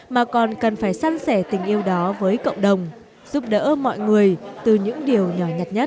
mà còn cần phải săn sẻ tình yêu đó với cộng đồng giúp đỡ mọi người từ những điều nhỏ nhặt nhất